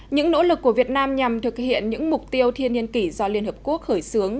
những nỗ lực của việt nam nhằm thực hiện những mục tiêu thiên nhiên kỷ do liên hợp quốc khởi xướng